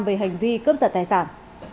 về hành vi cướp giật tài sản